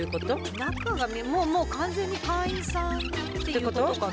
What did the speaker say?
中がもう完全に会員さんっていう事かな？